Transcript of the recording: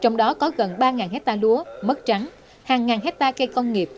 trong đó có gần ba hectare lúa mất trắng hàng ngàn hectare cây công nghiệp